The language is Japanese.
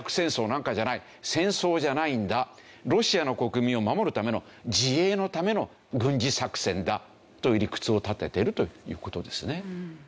戦争じゃないんだロシアの国民を守るための自衛のための軍事作戦だという理屈を立てているという事ですね。